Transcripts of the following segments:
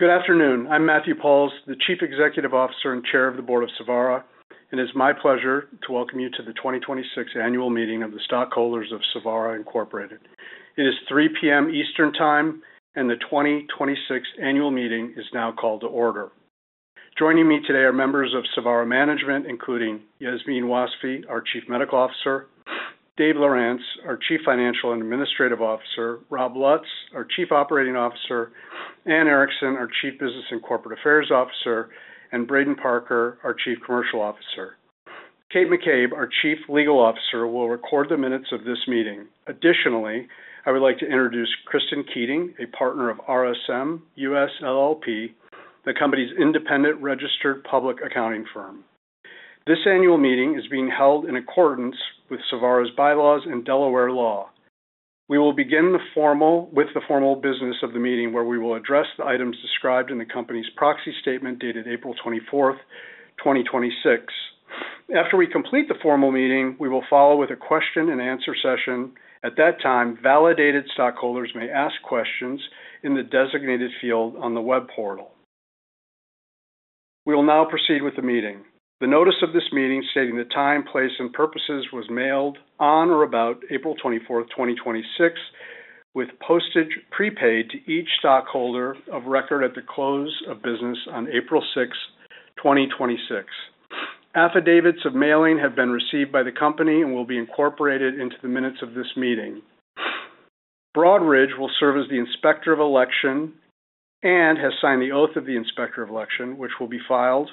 Good afternoon. I'm Matthew Pauls, the Chief Executive Officer and Chair of the Board of Savara. It's my pleasure to welcome you to the 2026 Annual Meeting of The Stockholders of Savara Incorporated. It is 3:00 P.M. Eastern Time, and the 2026 annual meeting is now called to order. Joining me today are members of Savara management, including Yasmine Wasfi, our Chief Medical Officer, Dave Lowrance, our Chief Financial and Administrative Officer, Rob Lutz, our Chief Operating Officer, Anne Erickson, our Chief Business and Corporate Affairs Officer, and Braden Parker, our Chief Commercial Officer. Kate McCabe, our Chief Legal Officer, will record the minutes of this meeting. Additionally, I would like to introduce Kristin Keating, a Partner of RSM US LLP, the company's independent registered public accounting firm. This annual meeting is being held in accordance with Savara's bylaws and Delaware law. We will begin with the formal business of the meeting, where we will address the items described in the company's proxy statement, dated April 24th, 2026. After we complete the formal meeting, we will follow with a question-and-answer session. At that time, validated stockholders may ask questions in the designated field on the web portal. We will now proceed with the meeting. The notice of this meeting, stating the time, place, and purposes, was mailed on or about April 24th, 2026, with postage prepaid to each stockholder of record at the close of business on April 6th, 2026. Affidavits of mailing have been received by the company and will be incorporated into the minutes of this meeting. Broadridge will serve as the inspector of election and has signed the oath of the inspector of election, which will be filed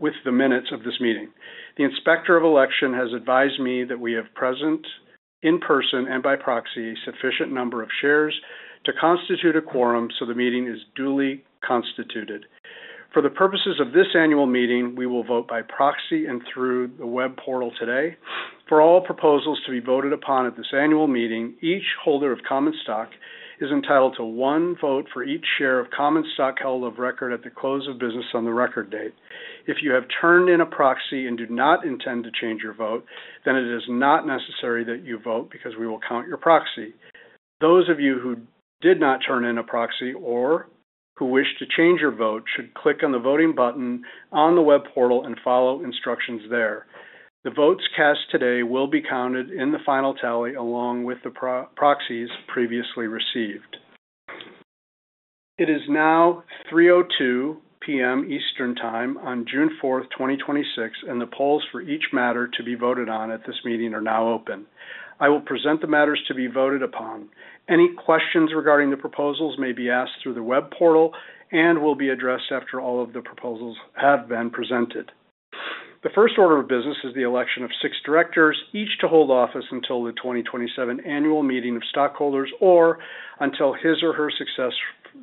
with the minutes of this meeting. The inspector of election has advised me that we have present, in person and by proxy, a sufficient number of shares to constitute a quorum, so the meeting is duly constituted. For the purposes of this annual meeting, we will vote by proxy and through the web portal today. For all proposals to be voted upon at this annual meeting, each holder of common stock is entitled to one vote for each share of common stock held of record at the close of business on the record date. If you have turned in a proxy and do not intend to change your vote, then it is not necessary that you vote, because we will count your proxy. Those of you who did not turn in a proxy or who wish to change your vote should click on the voting button on the web portal and follow instructions there. The votes cast today will be counted in the final tally, along with the proxies previously received. It is now 3:02 P.M. Eastern Time on June 4th, 2026, and the polls for each matter to be voted on at this meeting are now open. I will present the matters to be voted upon. Any questions regarding the proposals may be asked through the web portal and will be addressed after all of the proposals have been presented. The first order of business is the election of six directors, each to hold office until the 2027 annual meeting of stockholders, or until his or her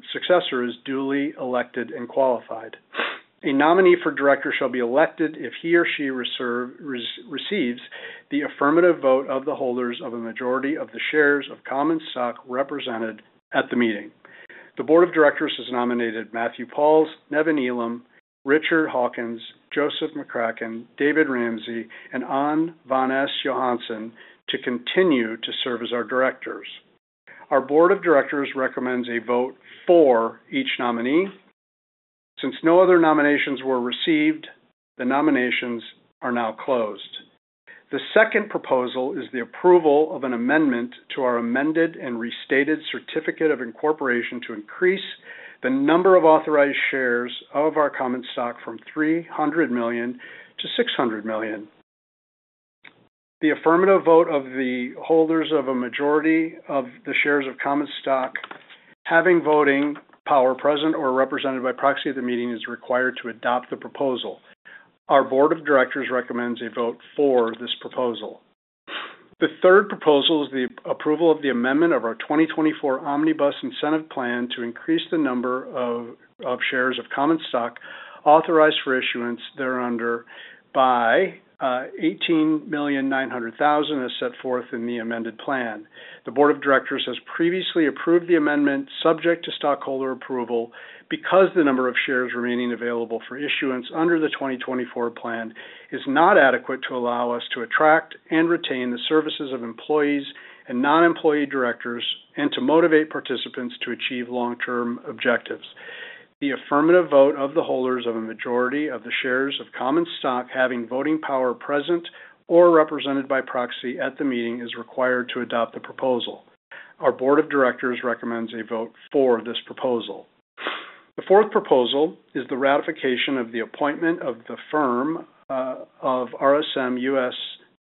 successor is duly elected and qualified. A nominee for director shall be elected if he or she receives the affirmative vote of the holders of a majority of the shares of common stock represented at the meeting. The board of directors has nominated Matthew Pauls, Nevan Elam, Richard Hawkins, Joseph McCracken, David Ramsay, and An van Es-Johansson to continue to serve as our directors. Our board of directors recommends a vote for each nominee. No other nominations were received, the nominations are now closed. The second proposal is the approval of an amendment to our amended and restated certificate of incorporation to increase the number of authorized shares of our common stock from 300 million-600 million. The affirmative vote of the holders of a majority of the shares of common stock having voting power present or represented by proxy at the meeting is required to adopt the proposal. Our board of directors recommends a vote for this proposal. The third proposal is the approval of the amendment of our 2024 Omnibus Incentive Plan to increase the number of shares of common stock authorized for issuance thereunder by 18,900,000, as set forth in the amended plan. The board of directors has previously approved the amendment, subject to stockholder approval, because the number of shares remaining available for issuance under the 2024 plan is not adequate to allow us to attract and retain the services of employees and non-employee directors and to motivate participants to achieve long-term objectives. The affirmative vote of the holders of a majority of the shares of common stock having voting power present or represented by proxy at the meeting is required to adopt the proposal. Our board of directors recommends a vote for this proposal. The fourth proposal is the ratification of the appointment of the firm of RSM US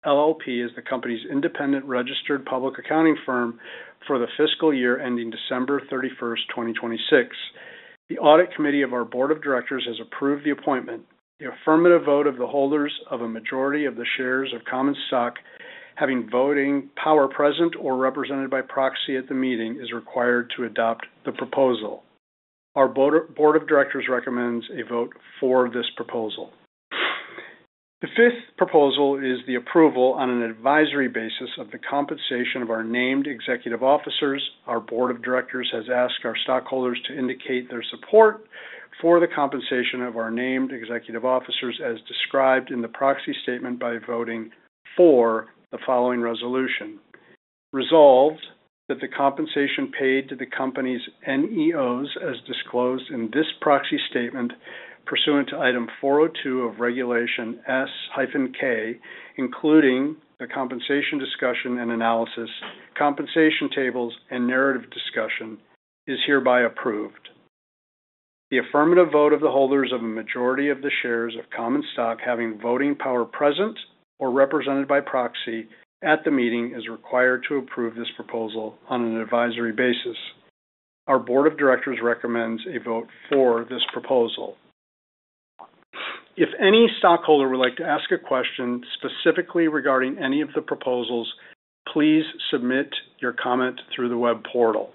LLP as the company's independent registered public accounting firm for the fiscal year ending December 31st, 2026. The Audit Committee of our board of directors has approved the appointment. The affirmative vote of the holders of a majority of the shares of common stock having voting power present or represented by proxy at the meeting is required to adopt the proposal. Our board of directors recommends a vote for this proposal. The fifth proposal is the approval on an advisory basis of the compensation of our Named Executive Officers. Our board of directors has asked our stockholders to indicate their support for the compensation of our Named Executive Officers as described in the proxy statement by voting for the following resolution. Resolved that the compensation paid to the company's NEOs, as disclosed in this proxy statement pursuant to Item 402 of Regulation S-K, including the compensation discussion and analysis, compensation tables, and narrative discussion, is hereby approved. The affirmative vote of the holders of a majority of the shares of common stock having voting power present or represented by proxy at the meeting is required to approve this proposal on an advisory basis. Our board of directors recommends a vote for this proposal. If any stockholder would like to ask a question specifically regarding any of the proposals, please submit your comment through the web portal.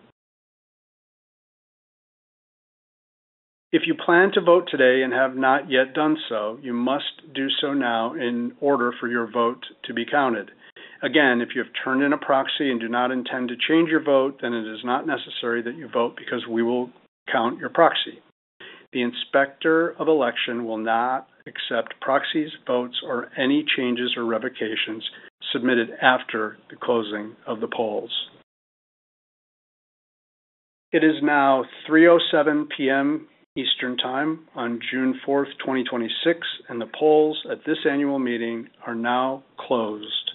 If you plan to vote today and have not yet done so, you must do so now in order for your vote to be counted. Again, if you have turned in a proxy and do not intend to change your vote, then it is not necessary that you vote, because we will count your proxy. The Inspector of Election will not accept proxies, votes, or any changes or revocations submitted after the closing of the polls. It is now 3:07 P.M. Eastern Time on June 4th, 2026, and the polls at this annual meeting are now closed.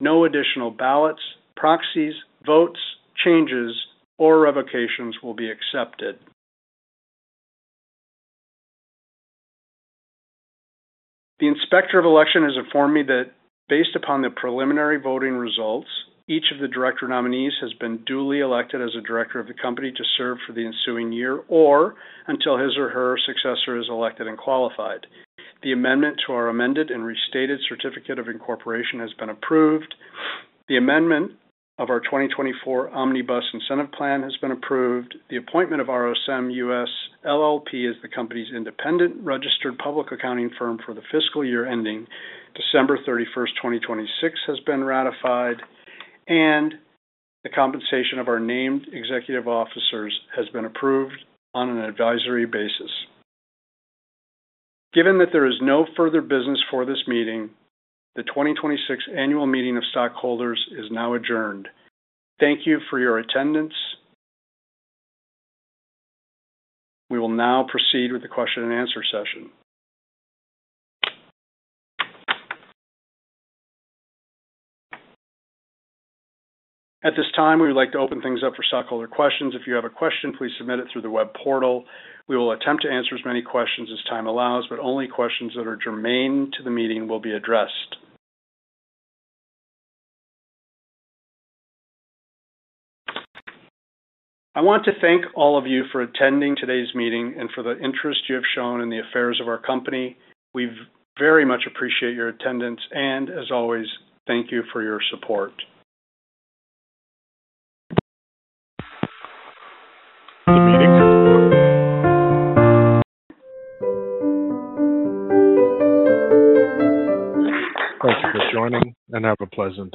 No additional ballots, proxies, votes, changes, or revocations will be accepted. The Inspector of Election has informed me that based upon the preliminary voting results, each of the director nominees has been duly elected as a director of the company to serve for the ensuing year or until his or her successor is elected and qualified. The amendment to our amended and restated certificate of incorporation has been approved. The amendment of our 2024 Omnibus Incentive Plan has been approved. The appointment of RSM US LLP as the company's independent registered public accounting firm for the fiscal year ending December 31st, 2026, has been ratified, and the compensation of our Named Executive Officers has been approved on an advisory basis. Given that there is no further business for this meeting, the 2026 Annual Meeting of Stockholders is now adjourned. Thank you for your attendance. We will now proceed with the question-and-answer session. At this time, we would like to open things up for stockholder questions. If you have a question, please submit it through the web portal. We will attempt to answer as many questions as time allows, but only questions that are germane to the meeting will be addressed. I want to thank all of you for attending today's meeting and for the interest you have shown in the affairs of our company. We very much appreciate your attendance, and as always, thank you for your support. Thank you for joining. Have a pleasant day